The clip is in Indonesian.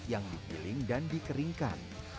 yang dipiling dan dikeringkan